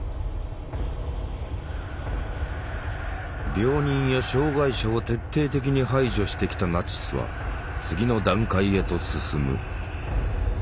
病人や障害者を徹底的に排除してきたナチスは次の段階へと進む。